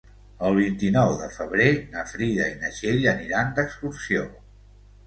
El vint-i-nou de febrer na Frida i na Txell aniran d'excursió.